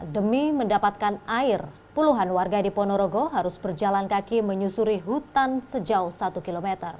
demi mendapatkan air puluhan warga di ponorogo harus berjalan kaki menyusuri hutan sejauh satu km